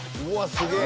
すげえ。